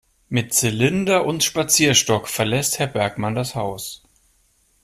Mit Zylinder und Spazierstock verlässt Herr Bergmann das Haus.